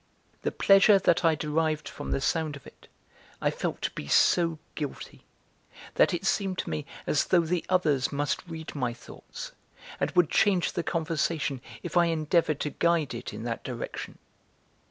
The pleasure that I derived from the sound of it I felt to be so guilty, that it seemed to me as though the others must read my thoughts, and would change the conversation if I endeavoured to guide it in that direction.